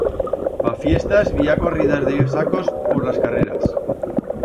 Pa fiestas bi ha corridas de sacos por las carreras